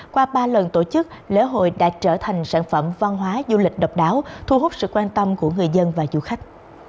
qua ba lần tổ chức lễ hội đã trở thành sản phẩm văn hóa du lịch độc đáo thu hút sự quan tâm của người dân và du khách